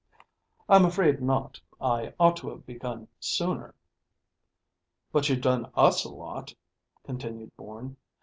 "I'm afraid not. I ought to have begun sooner." "But you've done us a lot," continued Bourne.